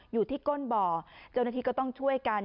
อยู่ที่ก้นบ่อเจ้าหน้าที่ก็ต้องช่วยกัน